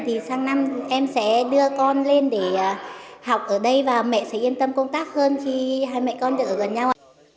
thì sang năm em sẽ đưa con lên để học ở đây và mẹ sẽ yên tâm công tác hơn khi hai mẹ con được ở gần nhau